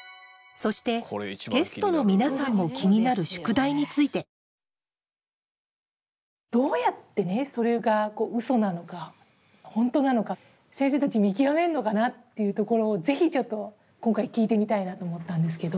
そして、ゲストの皆さんも気になる宿題についてどうやって、それがウソなのか本当なのか先生たち見極めるのかなっていうところをぜひ今回、聞いてみたいなと思ったんですけど。